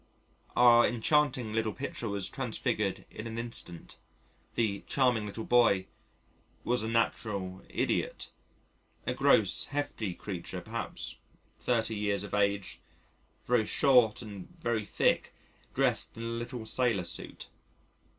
Our enchanting little picture was transfigured in an instant. The "charming little boy" was a natural idiot a gross, hefty creature perhaps 30 years of age, very short and very thick, dressed in a little sailor suit.